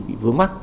bị vướng mắt